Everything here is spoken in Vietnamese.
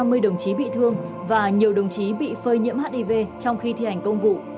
nhiều đồng chí bị thương và nhiều đồng chí bị phơi nhiễm hiv trong khi thi hành công vụ